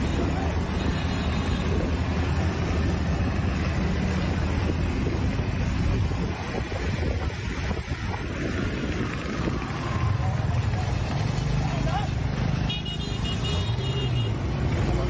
ก็ไม่ได้ขยับนี่เพื่อนครับ